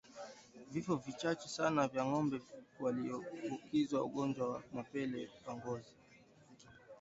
Vifo vichache sana kwa ngoombe walioambukizwa ugonjwa wa mapele ya ngozi